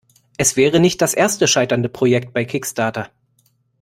Es wäre nicht das erste scheiternde Projekt bei Kickstarter.